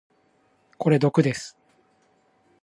これ毒です。